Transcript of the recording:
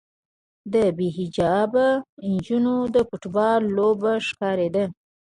د بې حجابه نجونو د فوټبال لوبه ښکارېده.